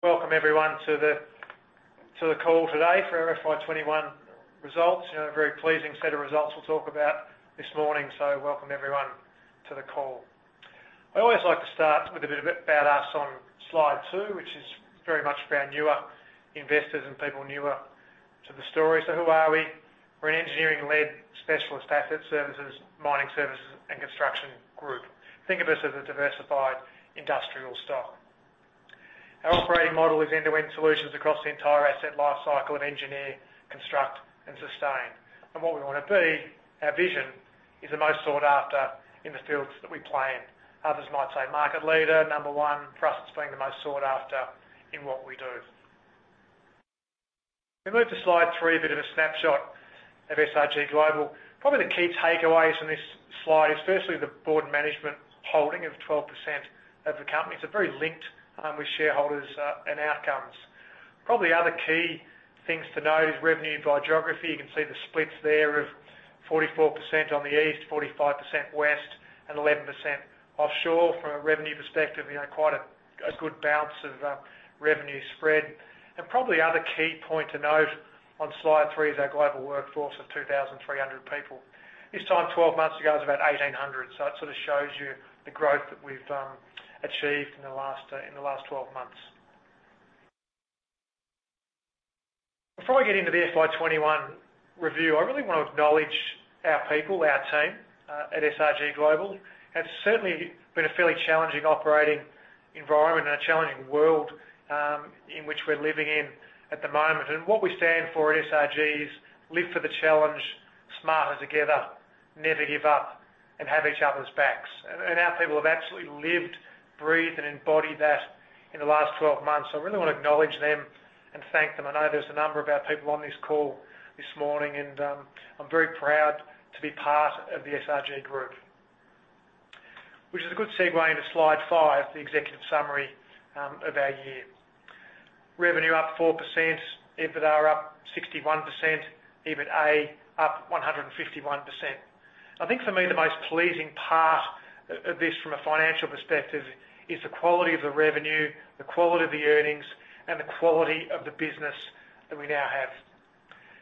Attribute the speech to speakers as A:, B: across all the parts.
A: Welcome everyone to the call today for our FY 2021 results. A very pleasing set of results we'll talk about this morning. Welcome everyone to the call. I always like to start with a bit about us on Slide two, which is very much for our newer investors and people newer to the story. Who are we? We're an engineering-led specialist asset services, mining services, and construction group. Think of us as a diversified industrial stock. Our operating model is end-to-end solutions across the entire asset lifecycle of engineer, construct, and sustain. What we want to be, our vision, is the most sought after in the fields that we play in. Others might say market leader, number one. For us, it's being the most sought after in what we do. If we move to Slide three, a bit of a snapshot of SRG Global. Probably the key takeaways from this slide is firstly the board and management holding of 12% of the company. It's very linked with shareholders and outcomes. Probably other key things to note is revenue by geography. You can see the splits there of 44% on the east, 45% west, and 11% offshore. From a revenue perspective, quite a good balance of revenue spread. Probably other key point to note on Slide three is our global workforce of 2,300 people. This time 12 months ago, it was about 1,800. That sort of shows you the growth that we've achieved in the last 12 months. Before I get into the FY 2021 review, I really want to acknowledge our people, our team at SRG Global. It's certainly been a fairly challenging operating environment and a challenging world in which we're living in at the moment. What we stand for at SRG is live for the challenge, smarter together, never give up, and have each other's backs. Our people have absolutely lived, breathed, and embodied that in the last 12 months. I really want to acknowledge them and thank them. I know there's a number of our people on this call this morning, I'm very proud to be part of the SRG group. Which is a good segue into Slide five, the executive summary of our year. Revenue up 4%, EBITDA up 61%, EBITA up 151%. I think for me, the most pleasing part of this from a financial perspective is the quality of the revenue, the quality of the earnings, and the quality of the business that we now have.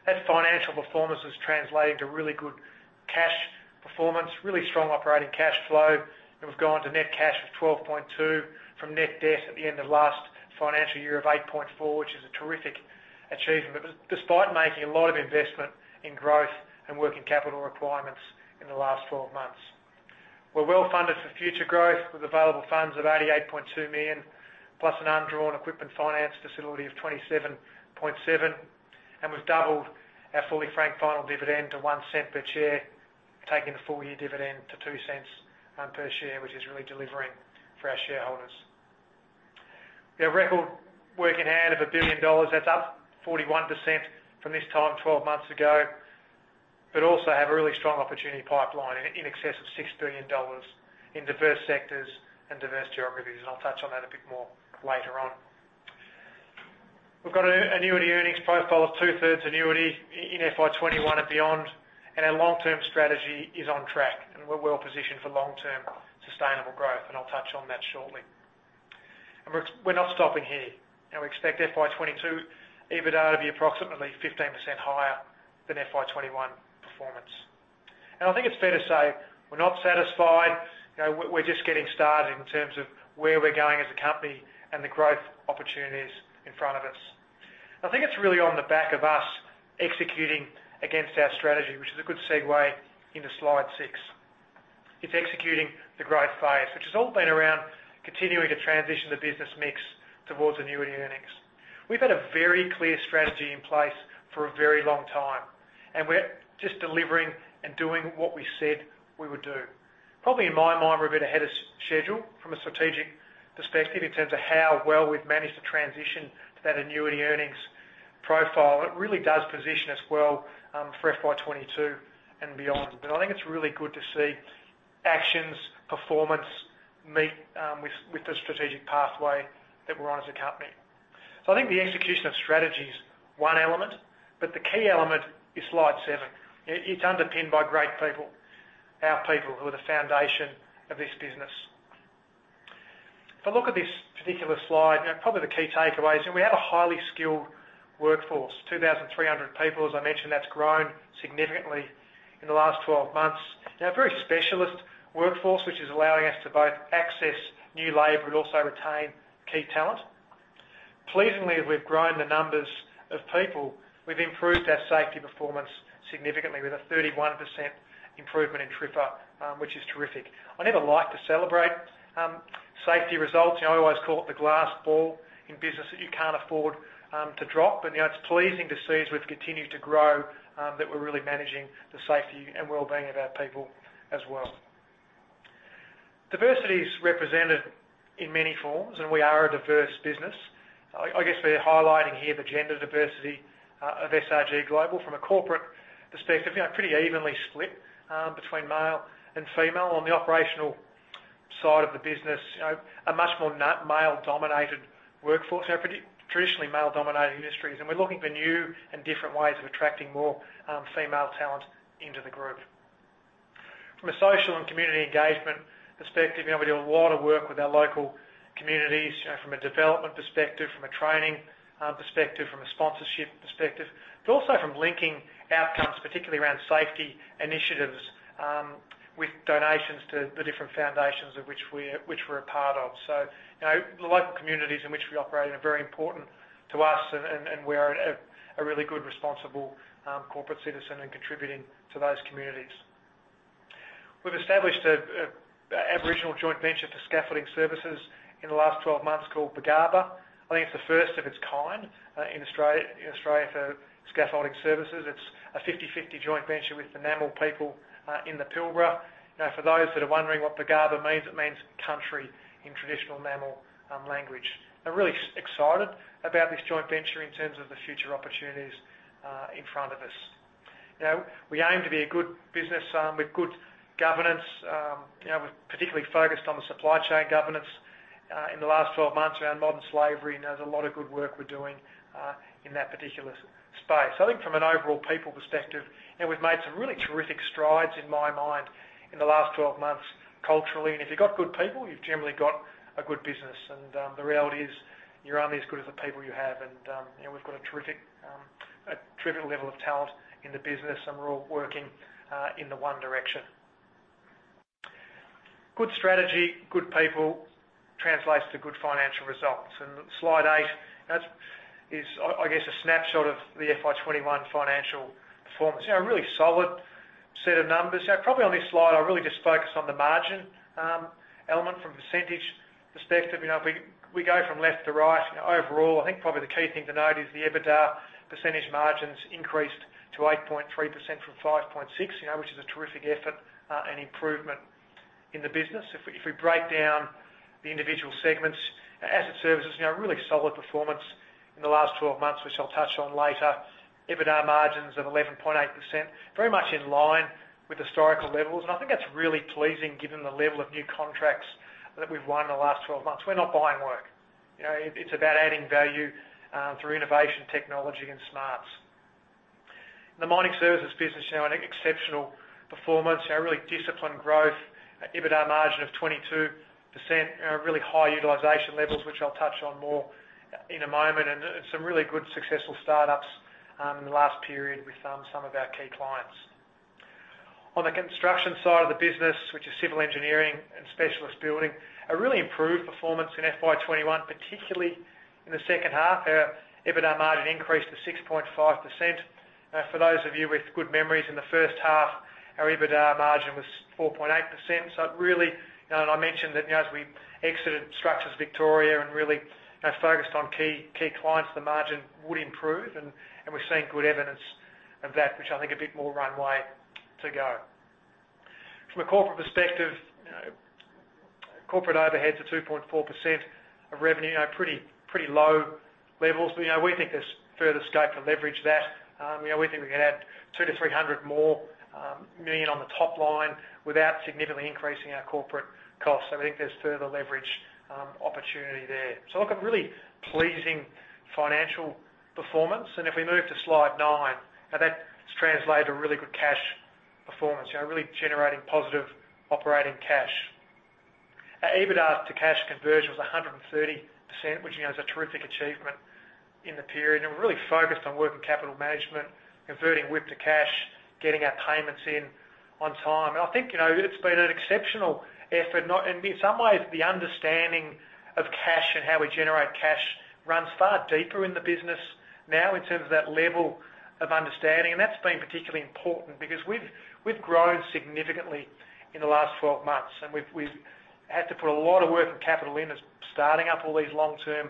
A: That financial performance has translated to really good cash performance, really strong operating cash flow. We've gone to net cash of 12.2 million from net debt at the end of the last financial year of 8.4 million, which is a terrific achievement, despite making a lot of investment in growth and working capital requirements in the last 12 months. We're well-funded for future growth with available funds of 88.2 million, plus an undrawn equipment finance facility of 27.7 million. We've doubled our fully franked final dividend to 0.01 per share, taking the full-year dividend to 0.02 per share, which is really delivering for our shareholders. We have record work in hand of 1 billion dollars. That's up 41% from this time 12 months ago. Also have a really strong opportunity pipeline in excess of 6 billion dollars in diverse sectors and diverse geographies. I'll touch on that a bit more later on. We've got an annuity earnings profile of two-thirds annuity in FY 2021 and beyond. Our long-term strategy is on track and we're well positioned for long-term sustainable growth. I'll touch on that shortly. We're not stopping here. We expect FY 2022 EBITDA to be approximately 15% higher than FY 2021 performance. I think it's fair to say we're not satisfied. We're just getting started in terms of where we're going as a company and the growth opportunities in front of us. I think it's really on the back of us executing against our strategy, which is a good segue into Slide six. It's executing the growth phase, which has all been around continuing to transition the business mix towards annuity earnings. We've had a very clear strategy in place for a very long time. We're just delivering and doing what we said we would do. Probably in my mind, we're a bit ahead of schedule from a strategic perspective in terms of how well we've managed to transition to that annuity earnings profile. It really does position us well for FY '22 and beyond. I think it's really good to see actions, performance meet with the strategic pathway that we're on as a company. I think the execution of strategy is one element, but the key element is Slide seven. It's underpinned by great people, our people, who are the foundation of this business. If I look at this particular slide, probably the key takeaway is that we have a highly skilled workforce, 2,300 people. As I mentioned, that's grown significantly in the last 12 months. We have a very specialist workforce, which is allowing us to both access new labor and also retain key talent. Pleasingly, as we've grown the numbers of people, we've improved our safety performance significantly with a 31% improvement in TRIFR, which is terrific. I never like to celebrate safety results. I always call it the glass ball in business that you can't afford to drop. It's pleasing to see, as we've continued to grow, that we're really managing the safety and wellbeing of our people as well. Diversity is represented in many forms, and we are a diverse business. I guess we're highlighting here the gender diversity of SRG Global from a corporate perspective. Pretty evenly split between male and female. On the operational side of the business, a much more male-dominated workforce. They're traditionally male-dominated industries. We're looking for new and different ways of attracting more female talent into the group. From a social and community engagement perspective, we do a lot of work with our local communities from a development perspective, from a training perspective, from a sponsorship perspective, but also from linking outcomes, particularly around safety initiatives, with donations to the different foundations of which we're a part of. The local communities in which we operate are very important to us. We are a really good, responsible corporate citizen and contributing to those communities. We've established an Aboriginal joint venture for scaffolding services in the last 12 months called Bugarrba. I think it's the first of its kind in Australia for scaffolding services. It's a 50/50 joint venture with the Njamal people in the Pilbara. For those that are wondering what Bugarrba means, it means "country" in traditional Njamal language. We're really excited about this joint venture in terms of the future opportunities in front of us. We aim to be a good business with good governance. We've particularly focused on the supply chain governance in the last 12 months around modern slavery, and there's a lot of good work we're doing in that particular space. I think from an overall people perspective, we've made some really terrific strides in my mind in the last 12 months culturally. If you've got good people, you've generally got a good business. The reality is, you're only as good as the people you have, and we've got a terrific level of talent in the business, and we're all working in the one direction. Good strategy, good people translates to good financial results. Slide eight, that is, I guess, a snapshot of the FY 2021 financial performance. A really solid set of numbers. Probably on this slide, I really just focus on the margin element from a percentage perspective. If we go from left to right, overall, I think probably the key thing to note is the EBITDA percentage margins increased to 8.3% from 5.6%, which is a terrific effort and improvement in the business. If we break down the individual segments, Asset Services, a really solid performance in the last 12 months, which I'll touch on later. EBITDA margins of 11.8%, very much in line with historical levels. I think that's really pleasing given the level of new contracts that we've won in the last 12 months. We're not buying work. It's about adding value through innovation, technology, and smarts. The mining services business, an exceptional performance, a really disciplined growth, EBITDA margin of 22%, really high utilization levels, which I'll touch on more in a moment, and some really good successful startups in the last period with some of our key clients. On the construction side of the business, which is civil engineering and specialist building, a really improved performance in FY 2021, particularly in the second half. Our EBITDA margin increased to 6.5%. For those of you with good memories, in the first half, our EBITDA margin was 4.8%. I mentioned that as we exit Structures Victoria and really focused on key clients, the margin would improve, and we're seeing good evidence of that, which I think a bit more runway to go. From a corporate perspective, corporate overhead to 2.4% of revenue, pretty low levels. We think there's further scope to leverage that. We think we can add 2 million-300 million more on the top line without significantly increasing our corporate costs. We think there's further leverage opportunity there. Look, a really pleasing financial performance. If we move to slide nine, that's translated to really good cash performance, really generating positive operating cash. Our EBITDA to cash conversion was 130%, which is a terrific achievement in the period, and we're really focused on working capital management, converting WIP to cash, getting our payments in on time. I think it's been an exceptional effort, and in some ways, the understanding of cash and how we generate cash runs far deeper in the business now in terms of that level of understanding. That's been particularly important because we've grown significantly in the last 12 months, and we've had to put a lot of working capital in as starting up all these long-term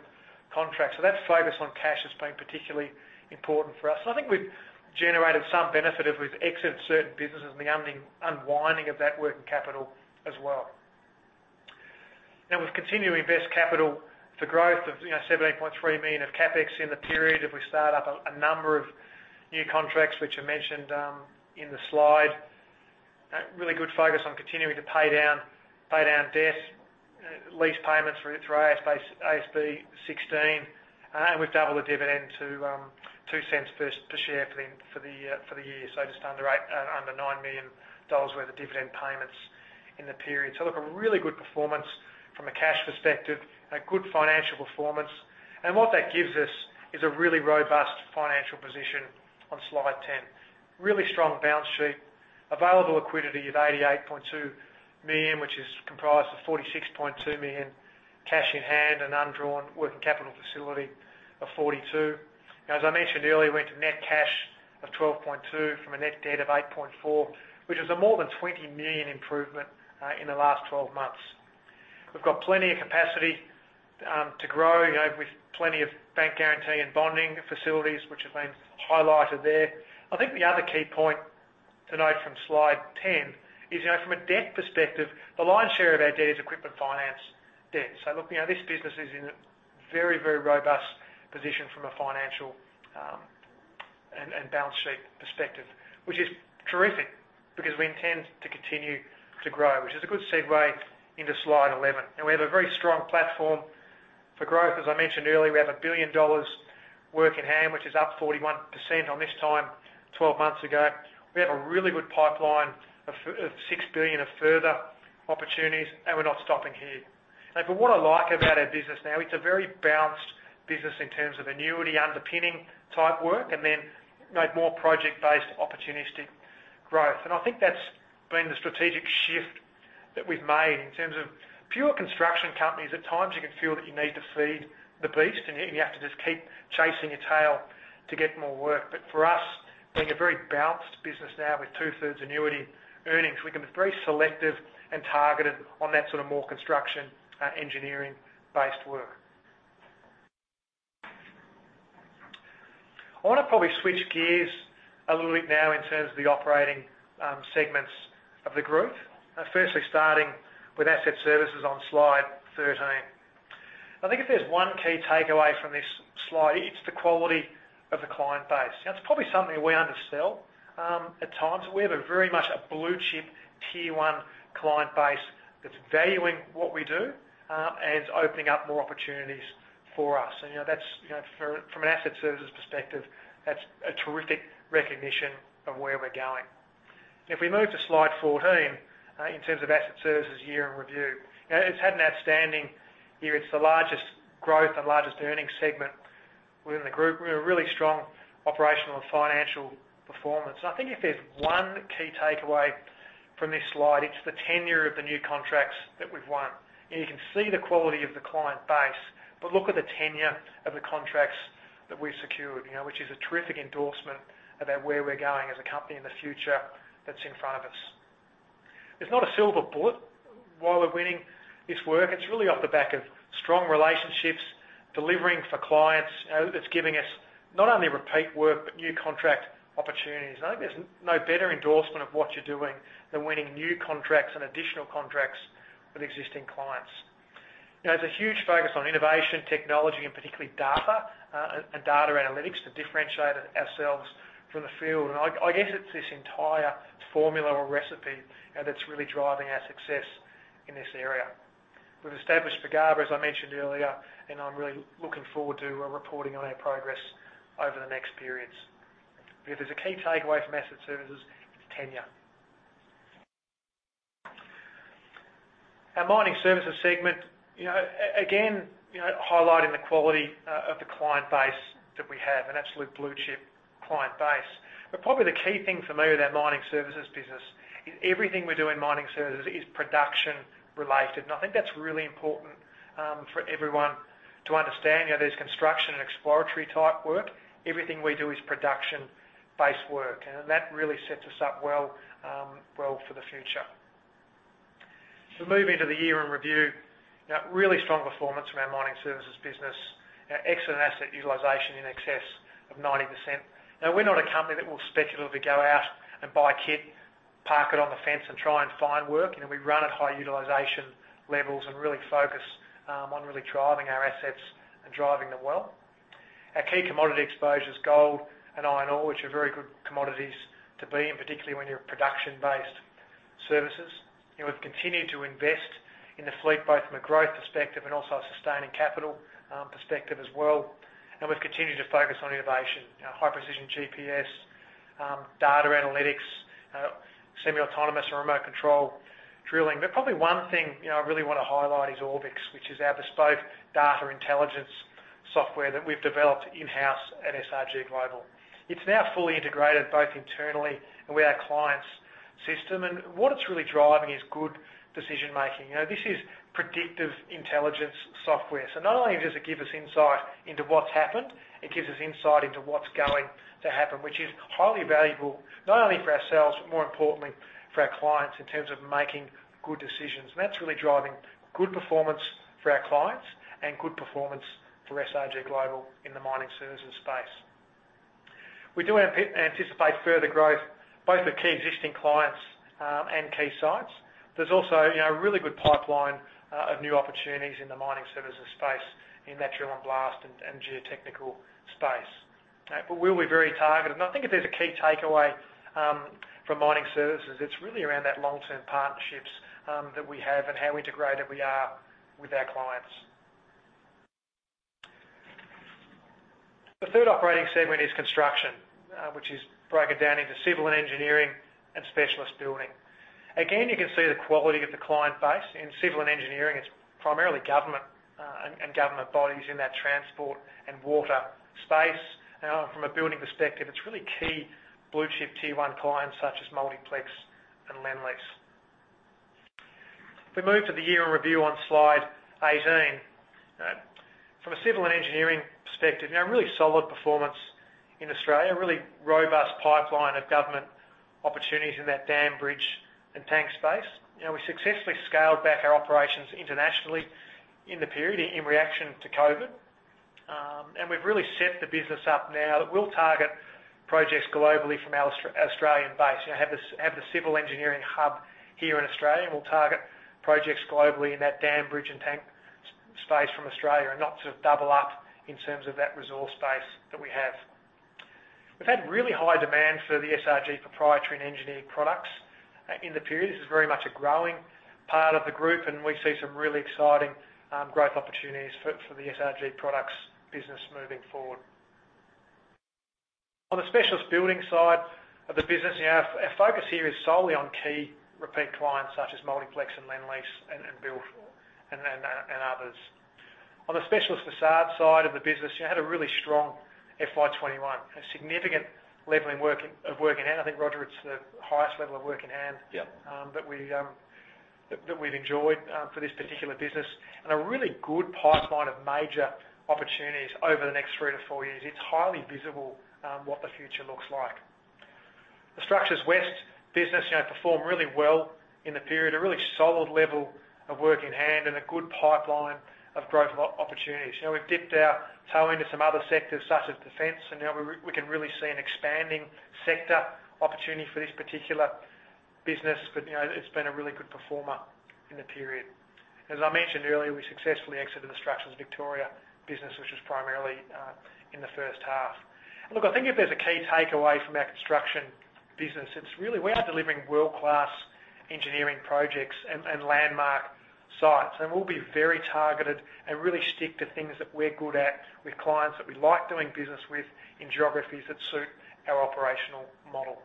A: contracts. That focus on cash has been particularly important for us. I think we've generated some benefit as we've exited certain businesses and the unwinding of that working capital as well. We've continued to invest capital for growth of 17.3 million of CapEx in the period as we start up a number of new contracts which are mentioned in the slide. A really good focus on continuing to pay down debt, lease payments through AASB 16. We've doubled the dividend to 0.02 per share for the year. Just under 9 million dollars worth of dividend payments in the period. Look, a really good performance from a cash perspective, a good financial performance. What that gives us is a really robust financial position on slide 10. Really strong balance sheet. Available liquidity of 88.2 million, which is comprised of 46.2 million cash in hand and undrawn working capital facility of 42 million. As I mentioned earlier, we went to net cash of 12.2 million from a net debt of 8.4 million, which is a more than 20 million improvement in the last 12 months. We've got plenty of capacity to grow. We've plenty of bank guarantee and bonding facilities, which have been highlighted there. I think the other key point to note from slide 10 is from a debt perspective, the lion's share of our debt is equipment finance debt. Look, this business is in a very robust position from a financial and balance sheet perspective, which is terrific because we intend to continue to grow, which is a good segue into slide 11. We have a very strong platform for growth, as I mentioned earlier, we have 1 billion dollars work in hand, which is up 41% on this time 12 months ago. We have a really good pipeline of 6 billion of further opportunities, and we're not stopping here. What I like about our business now, it's a very balanced business in terms of annuity underpinning type work, and then more project-based opportunistic growth. I think that's been the strategic shift that we've made in terms of pure construction companies, at times you can feel that you need to feed the beast, and you have to just keep chasing a tail to get more work. For us, being a very balanced business now with two-thirds annuity earnings, we can be very selective and targeted on that sort of more construction, engineering-based work. I want to probably switch gears a little bit now in terms of the operating segments of the group. Firstly, starting with Asset Services on slide 13. I think if there's one key takeaway from this slide, it's the quality of the client base. That's probably something we undersell at times. We have very much a blue-chip, tier 1 client base that's valuing what we do and is opening up more opportunities for us. From an Asset Services perspective, that's a terrific recognition of where we're going. If we move to slide 14, in terms of Asset Services year in review. It's had an outstanding year. It's the largest growth and largest earnings segment within the group, with a really strong operational and financial performance. I think if there's one key takeaway from this slide, it's the tenure of the new contracts that we've won. You can see the quality of the client base. Look at the tenure of the contracts that we've secured, which is a terrific endorsement about where we're going as a company in the future that's in front of us. There's not a silver bullet while we're winning this work. It's really off the back of strong relationships, delivering for clients that's giving us not only repeat work, but new contract opportunities. I think there's no better endorsement of what you're doing than winning new contracts and additional contracts with existing clients. There's a huge focus on innovation, technology, and particularly data and data analytics to differentiate ourselves from the field. I guess it's this entire formula or recipe that's really driving our success in this area. We've established the guard, as I mentioned earlier, and I'm really looking forward to reporting on our progress over the next periods. If there's a key takeaway from asset services, it's tenure. Our mining services segment, again, highlighting the quality of the client base that we have, an absolute blue-chip client base. Probably the key thing for me with our mining services business is everything we do in mining services is production related, and I think that's really important for everyone to understand. There's construction and exploratory type work. Everything we do is production-based work, and that really sets us up well for the future. If we move into the year in review, really strong performance from our mining services business. Excellent asset utilization in excess of 90%. We're not a company that will speculatively go out and buy a kit, park it on the fence and try and find work. We run at high utilization levels and really focus on really driving our assets and driving them well. Our key commodity exposure's gold and iron ore, which are very good commodities to be in, particularly when you're a production-based services. We've continued to invest in the fleet, both from a growth perspective and also a sustaining capital perspective as well. We've continued to focus on innovation, high precision GPS, data analytics, semi-autonomous and remote control drilling. Probably 1 thing I really want to highlight is Orbix, which is our bespoke data intelligence software that we've developed in-house at SRG Global. It's now fully integrated both internally and with our clients' system. What it's really driving is good decision making. This is predictive intelligence software. Not only does it give us insight into what's happened, it gives us insight into what's going to happen, which is highly valuable, not only for ourselves, but more importantly for our clients in terms of making good decisions. That's really driving good performance for our clients and good performance for SRG Global in the mining services space. We do anticipate further growth, both with key existing clients and key sites. There's also a really good pipeline of new opportunities in the mining services space in that drill and blast and geotechnical space. We'll be very targeted. I think if there's a key takeaway from mining services, it's really around that long-term partnerships that we have and how integrated we are with our clients. The third operating segment is construction, which is broken down into civil and engineering and specialist building. Again, you can see the quality of the client base. In civil and engineering, it's primarily government and government bodies in that transport and water space. From a building perspective, it's really key blue-chip tier one clients such as Multiplex and Lendlease. If we move to the year in review on slide 18. From a civil and engineering perspective, a really solid performance in Australia, a really robust pipeline of government opportunities in that dam, bridge, and tank space. We successfully scaled back our operations internationally in the period in reaction to COVID. We've really set the business up now that we'll target projects globally from our Australian base and have the civil engineering hub here in Australia, and we'll target projects globally in that dam, bridge, and tank space from Australia and not sort of double up in terms of that resource base that we have. We've had really high demand for the SRG proprietary and engineered products in the period. This is very much a growing part of the group, and we see some really exciting growth opportunities for the SRG products business moving forward. On the specialist building side of the business, our focus here is solely on key repeat clients such as Multiplex and Lendlease, and others. On the specialist facade side of the business, you had a really strong FY 2021, a significant level of work in hand. I think, Roger, it's the highest level of work in hand.
B: Yep
A: that we've enjoyed for this particular business and a really good pipeline of major opportunities over the next three to four years. It's highly visible what the future looks like. The Structures West business performed really well in the period, a really solid level of work in hand, and a good pipeline of growth opportunities. Now we can really see an expanding sector opportunity for this particular business. It's been a really good performer in the period. As I mentioned earlier, we successfully exited the Structures Victoria business, which was primarily in the first half. Look, I think if there's a key takeaway from our construction business, it's really we are delivering world-class engineering projects and landmark sites. We'll be very targeted and really stick to things that we're good at with clients that we like doing business with in geographies that suit our operational model.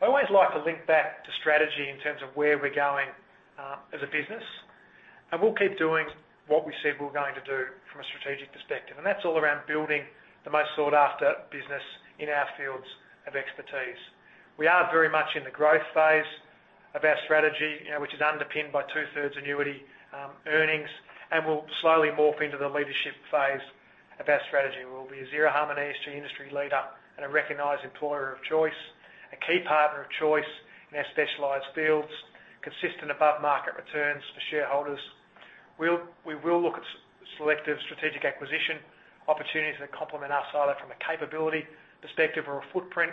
A: I always like to link back to strategy in terms of where we're going as a business, and we'll keep doing what we said we were going to do from a strategic perspective, and that's all around building the most sought-after business in our fields of expertise. We are very much in the growth phase of our strategy, which is underpinned by two-thirds annuity earnings, and we'll slowly converting WIP to cash into the leadership phase of our strategy, where we'll be a zero harm and ESG industry leader and a recognized employer of choice, a key partner of choice in our specialized fields, consistent above market returns for shareholders. We will look at selective strategic acquisition opportunities that complement us either from a capability perspective or a footprint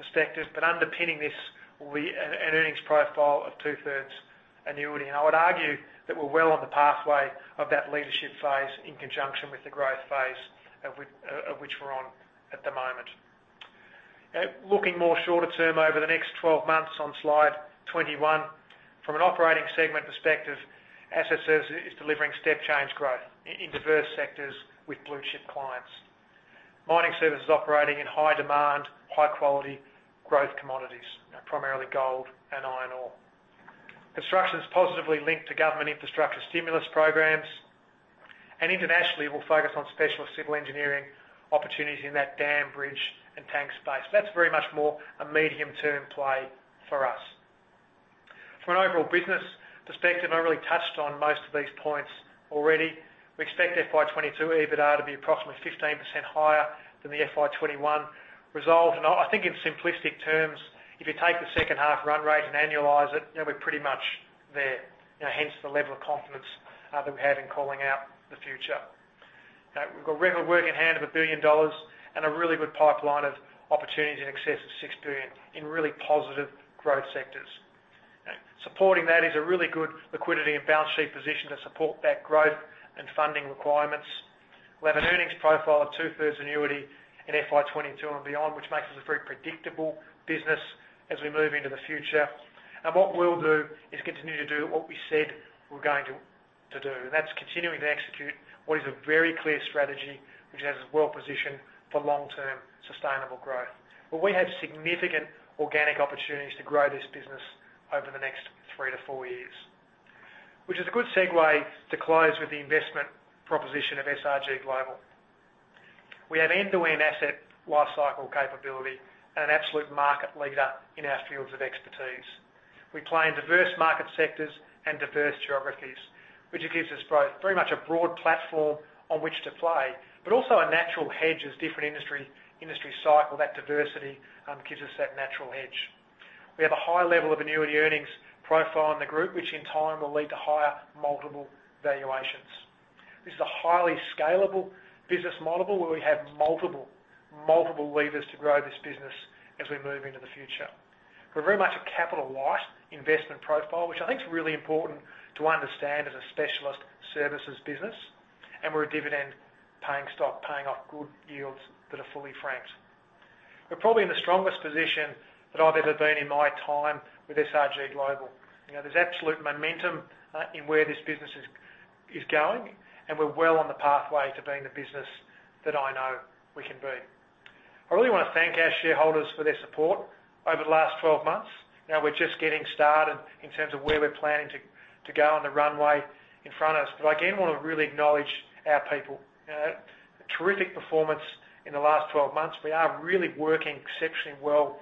A: perspective. Underpinning this will be an earnings profile of two-thirds annuity. I would argue that we're well on the pathway of that leadership phase in conjunction with the growth phase of which we're on at the moment. Looking more shorter term, over the next 12 months on slide 21, from an operating segment perspective, Asset Services is delivering step change growth in diverse sectors with blue-chip clients. Mining Services is operating in high demand, high quality growth commodities, primarily gold and iron ore. Construction is positively linked to government infrastructure stimulus programs. Internationally, we'll focus on specialist civil engineering opportunities in that dam, bridge, and tank space. That's very much more a medium-term play for us. From an overall business perspective, I really touched on most of these points already. We expect FY 2022 EBITDA to be approximately 15% higher than the FY 2021 result. I think in simplistic terms, if you take the second half run rate and annualize it, we're pretty much there. Hence the level of confidence that we have in calling out the future. We've got regular work in hand of 1 billion dollars and a really good pipeline of opportunities in excess of 6 billion in really positive growth sectors. Supporting that is a really good liquidity and balance sheet position to support that growth and funding requirements. We'll have an earnings profile of two-thirds annuity in FY 2022 and beyond, which makes us a very predictable business as we move into the future. What we'll do is continue to do what we said we're going to do, and that's continuing to execute what is a very clear strategy, which has us well-positioned for long-term sustainable growth, where we have significant organic opportunities to grow this business over the next three to four years. Which is a good segue to close with the investment proposition of SRG Global. We have end-to-end asset lifecycle capability and an absolute market leader in our fields of expertise. We play in diverse market sectors and diverse geographies, which gives us both very much a broad platform on which to play, but also a natural hedge as different industry cycle, that diversity gives us that natural hedge. We have a high level of annuity earnings profile in the group, which in time will lead to higher multiple valuations. This is a highly scalable business model where we have multiple levers to grow this business as we move into the future. We're very much a capital light investment profile, which I think is really important to understand as a specialist services business. We're a dividend paying stock, paying off good yields that are fully franked. We're probably in the strongest position that I've ever been in my time with SRG Global. There's absolute momentum in where this business is going, and we're well on the pathway to being the business that I know we can be. I really want to thank our shareholders for their support over the last 12 months. Now we're just getting started in terms of where we're planning to go on the runway in front of us. I again want to really acknowledge our people. Terrific performance in the last 12 months. We are really working exceptionally well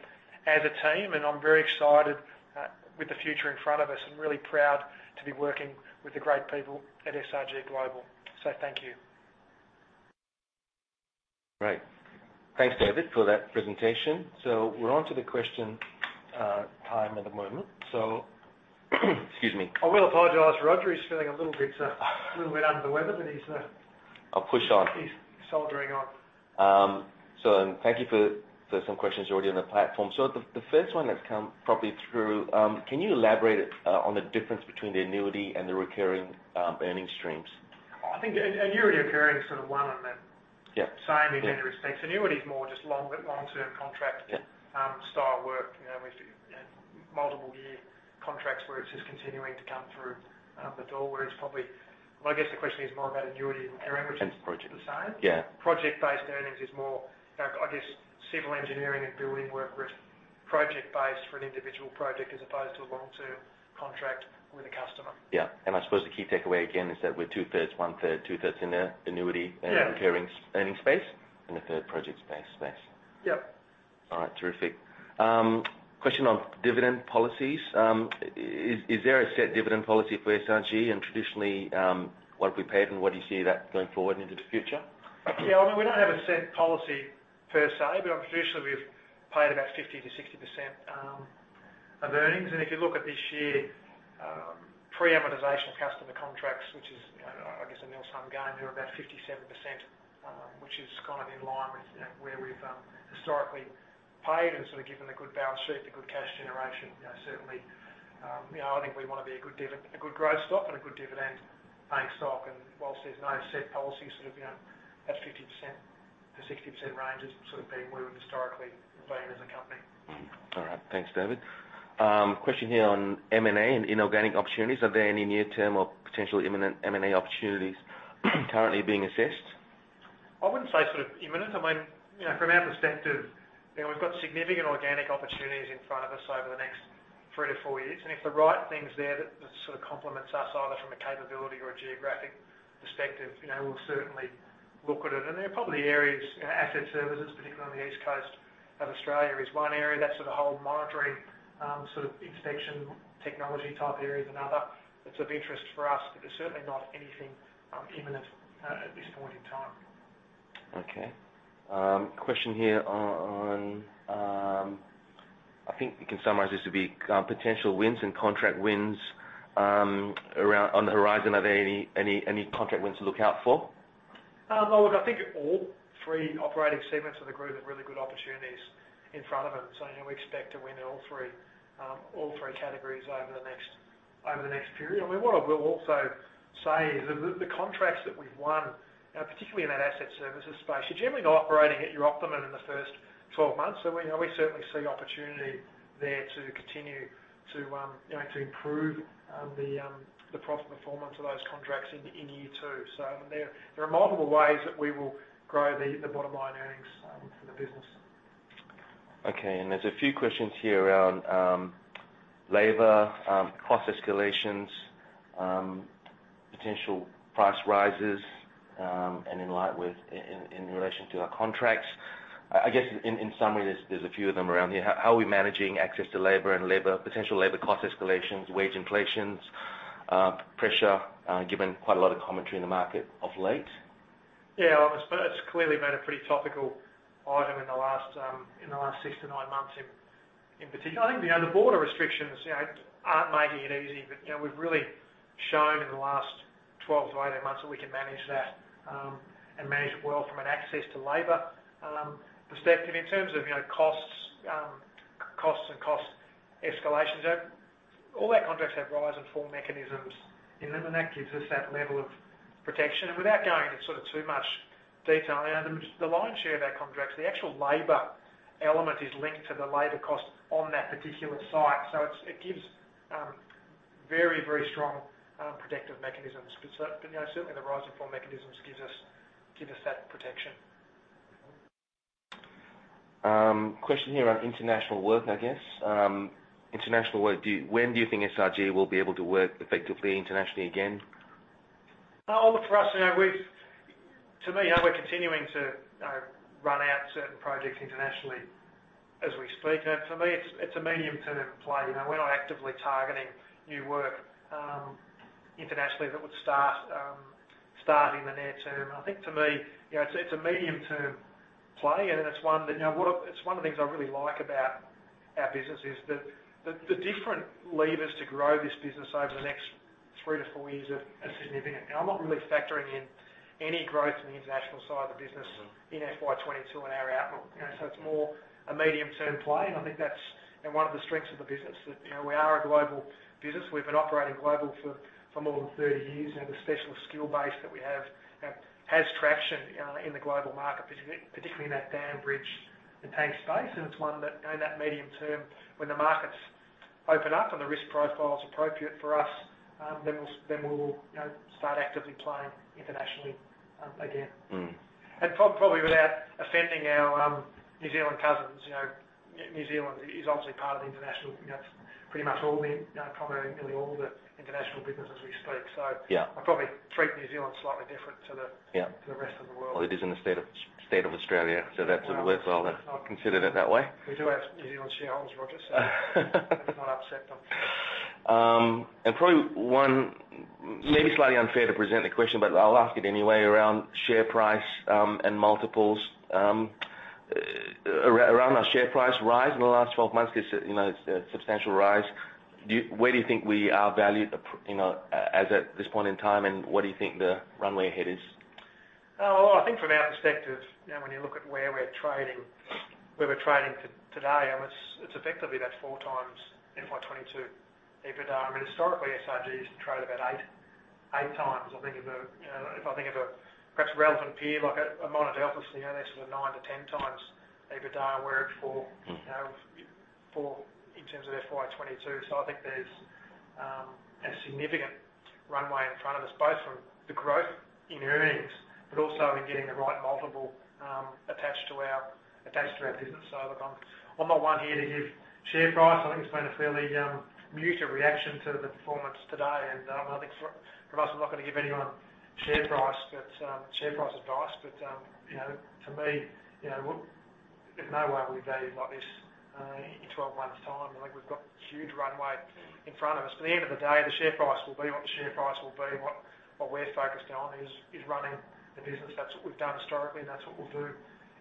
A: as a team, and I'm very excited with the future in front of us and really proud to be working with the great people at SRG Global. Thank you.
B: Great. Thanks, David, for that presentation. We're on to the question time at the moment. Excuse me.
A: I will apologize for Roger. He's feeling a little bit under the weather.
B: I'll push on.
A: He's soldiering on.
B: Thank you for some questions already on the platform. The first one that's come probably through, can you elaborate on the difference between the annuity and the recurring earnings streams?
A: I think annuity and recurring sort of one and the same.
B: Yeah
A: in many respects. Annuity is more just long-term contract-
B: Yeah
A: style work. We have multiple year contracts where it is just continuing to come through the door. Well, I guess the question is more about annuity than recurring, which is the same.
B: Yeah.
A: Project-based earnings is more, I guess civil engineering and building work where it's project-based for an individual project as opposed to a long-term contract with a customer.
B: Yeah. I suppose the key takeaway again is that we're two-thirds, one-third, two-thirds in the annuity-
A: Yeah
B: Recurring earning space, and a third project-based space.
A: Yep.
B: All right. Terrific. Question on dividend policies. Is there a set dividend policy for SRG and traditionally, what have we paid and where do you see that going forward into the future?
A: Yeah. I mean, we don't have a set policy per se, but traditionally we've paid about 50%-60% of earnings. If you look at this year, pre-amortization customer contracts, which is I guess a nil sum game, they were about 57%, which is kind of in line with where we've historically paid and sort of given a good balance sheet and good cash generation. Certainly, I think we want to be a good growth stock and a good dividend paying stock. Whilst there's no set policy, sort of that 50%-60% range is sort of where we've historically been as a company.
B: All right. Thanks, David. Question here on M&A and inorganic opportunities. Are there any near term or potential imminent M&A opportunities currently being assessed?
A: I wouldn't say sort of imminent. I mean, from our perspective, we've got significant organic opportunities in front of us over the next three to four years. If the right thing's there that sort of complements us either from a capability or a geographic perspective, we'll certainly look at it. They're probably areas, asset services, particularly on the East Coast of Australia is one area, that sort of whole monitoring, sort of inspection technology type area is another. It's of interest for us, but there's certainly not anything imminent at this point in time.
B: Okay. Question here on, I think we can summarize this to be potential wins and contract wins on the horizon. Are there any contract wins to look out for?
A: Look, I think all three operating segments of the group have really good opportunities in front of them. We expect to win all three categories over the next period. I mean, what I will also say is that the contracts that we've won, particularly in that asset services space, you're generally not operating at your optimum in the first 12 months. We certainly see opportunity there to continue to improve the profit performance of those contracts in year two. There are multiple ways that we will grow the bottom line earnings for the business.
B: Okay. There's a few questions here around labor, cost escalations, potential price rises, and in relation to our contracts. I guess in summary, there's a few of them around here. How are we managing access to labor and potential labor cost escalations, wage inflations, pressure, given quite a lot of commentary in the market of late?
A: Yeah, it's clearly been a pretty topical item in the last six to nine months in particular. I think the border restrictions aren't making it easy, but we've really shown in the last 12months-18 months that we can manage that, and manage it well from an access to labor perspective. In terms of costs and cost escalations, all our contracts have rise and fall mechanisms in them, and that gives us that level of protection. Without going into sort of too much detail, the lion's share of our contracts, the actual labor element is linked to the labor cost on that particular site. It gives very, very strong protective mechanisms. Certainly, the rise and fall mechanisms give us that protection.
B: Question here on international work, I guess. International work, when do you think SRG will be able to work effectively internationally again?
A: Look, for us, to me, we're continuing to run out certain projects internationally as we speak. For me, it's a medium-term play. We're not actively targeting new work internationally that would start in the near term. I think for me, it's a medium-term play, and it's one of the things I really like about our business is the different levers to grow this business over the next three to four years are significant. I'm not really factoring in any growth in the international side of the business in FY 2022 in our outlook. It's more a medium-term play, and I think that's one of the strengths of the business, that we are a global business. We've been operating global for more than 30 years, and the special skill base that we have has traction in the global market, particularly in that dam, bridge, and tank space. It's one that in that medium term, when the markets open up and the risk profile is appropriate for us, then we'll start actively playing internationally again. Probably without offending our New Zealand cousins, New Zealand is obviously part of the international, probably nearly all the international business as we speak.
B: Yeah
A: I'd probably treat New Zealand slightly different to.
B: Yeah
A: to the rest of the world.
B: Well, it is in the state of Australia, so that's worth. I'll consider that that way.
A: We do have New Zealand shareholders, Roger. Let's not upset them.
B: Probably one, maybe slightly unfair to present the question, but I'll ask it anyway, around share price and multiples. Around our share price rise in the last 12 months, it's a substantial rise. Where do you think we are valued as at this point in time, and what do you think the runway ahead is?
A: I think from our perspective, when you look at where we're trading today, it's effectively about 4x FY 2022 EBITDA. I mean, historically, SRG used to trade about 8x. If I think of a perhaps relevant peer, like a Monadelphous, they're sort of 9-10 times EBITDA. We're at four in terms of FY 2022. I think there's a significant runway in front of us, both from the growth in earnings, but also in getting the right multiple attached to our business. Look, I'm not one here to give share price. I think it's been a fairly muted reaction to the performance today and I think for us, I'm not going to give anyone share price advice. To me, there's no way we're valued like this in 12 months' time. I think we've got huge runway in front of us. At the end of the day, the share price will be what the share price will be. What we're focused on is running the business. That's what we've done historically, and that's what we'll do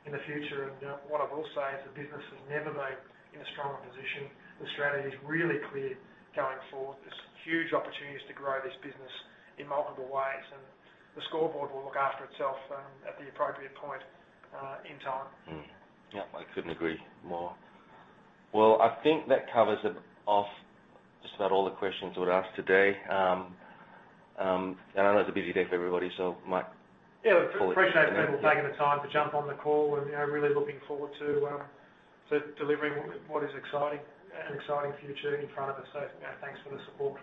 A: in the future. What I will say is the business has never been in a stronger position. The strategy is really clear going forward. There's huge opportunities to grow this business in multiple ways, and the scoreboard will look after itself at the appropriate point in time.
B: Yep. I couldn't agree more. Well, I think that covers off just about all the questions we were asked today. I know it's a busy day for everybody, might call it-
A: Yeah. Appreciate people taking the time to jump on the call and really looking forward to delivering what is an exciting future in front of us. Thanks for the support.